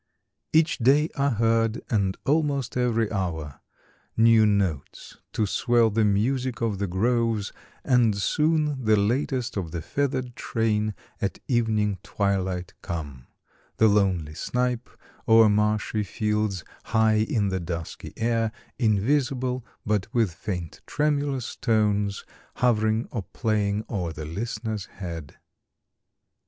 _) Each day are heard, and almost every hour, New notes to swell the music of the groves, And soon the latest of the feathered train At evening twilight come;—the lonely snipe, O'er marshy fields, high in the dusky air, Invisible, but, with faint, tremulous tones, Hovering or playing o'er the listener's head.